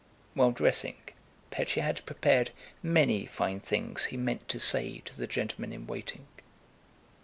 While dressing, Pétya had prepared many fine things he meant to say to the gentleman in waiting.